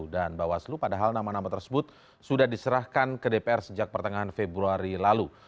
dan bahwa selu padahal nama nama tersebut sudah diserahkan ke dpr sejak pertengahan februari lalu